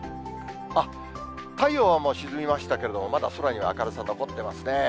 あっ、太陽はもう沈みましたけれども、まだ空には明るさ残ってますね。